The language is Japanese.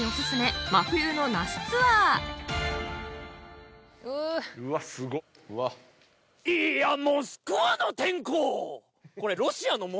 すごいよ！